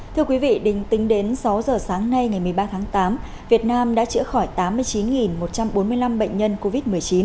thưa quý vị đình tính đến sáu giờ sáng nay ngày một mươi ba tháng tám việt nam đã chữa khỏi tám mươi chín một trăm bốn mươi năm bệnh nhân covid một mươi chín